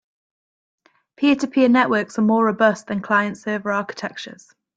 Peer-to-peer networks are more robust than client-server architectures.